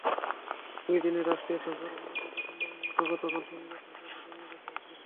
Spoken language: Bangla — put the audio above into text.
দুই দিনের রাষ্ট্রীয় সফরে মোদি প্রথমবারের মতো গতকাল শনিবার সকালে বাংলাদেশে আসেন।